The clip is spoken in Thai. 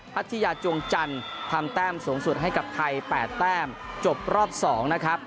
พัทยาจวงจันทร์ทำแต้มสูงสุดให้กับไทย๘แต้มจบรอบ๒นะครับ